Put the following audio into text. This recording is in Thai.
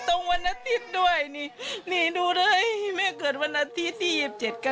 ต้องวันนัทธิตด้วยกินซิดูเลยเม่เกิดวันนัทธิตติธิ๒๐๐๙